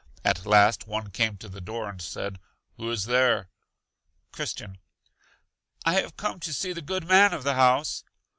At last one came to the door and said: Who is there? Christian. I have come to see the good man of the house.